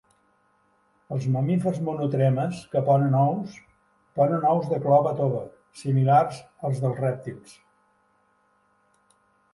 Els mamífers monotremes que ponen ous, ponen ous de clova tova similars als dels rèptils.